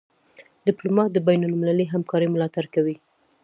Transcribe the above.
ډيپلومات د بینالمللي همکارۍ ملاتړ کوي.